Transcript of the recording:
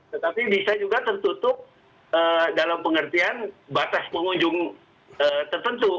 tetapi bisa juga tertutup dalam pengertian batas pengunjung tertentu